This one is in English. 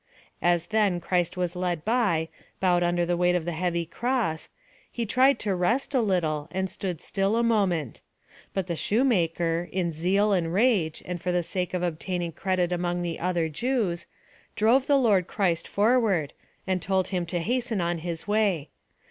"As, then, Christ was led by, bowed under the weight of the heavy cross, He tried to rest a little, and stood still a moment; but the shoemaker, in zeal and rage, and for the sake of obtaining credit among the other Jews, drove the Lord Christ forward, and told Him to hasten on His way.